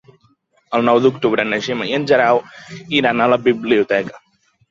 El nou d'octubre na Gemma i en Guerau iran a la biblioteca.